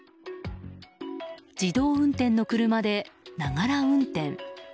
自動運転の車で、ながら運転。